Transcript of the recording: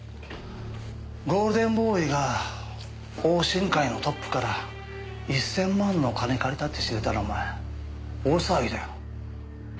ゴールデンボーイが桜心会のトップから１０００万の金借りたって知れたらお前大騒ぎだよ。